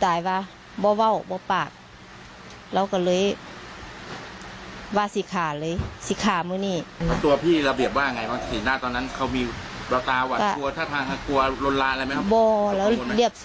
โตะนั้นเขามีพระตาว่ากลัวรยับใช่